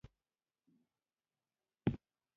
د اندازې کنټرولونکي هغه وسایل دي چې ثابته اندازه کوي.